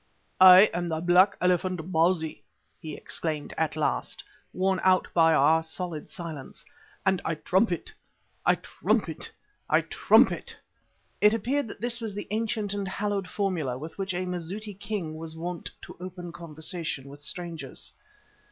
"I am the Black Elephant Bausi," he exclaimed at last, worn out by our solid silence, "and I trumpet! I trumpet! I trumpet!" (It appeared that this was the ancient and hallowed formula with which a Mazitu king was wont to open a conversation with strangers.)